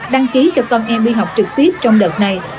đăng ký cho con em đi học trực tiếp trong đợt này